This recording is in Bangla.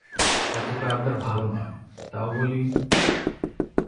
এতটা আবদার ভালো নয়, তাও বলি।